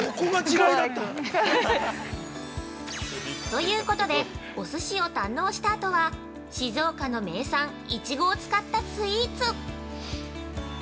◆ということでおすしを堪能した後は、静岡の名産「いちご」を使ったスイーツ！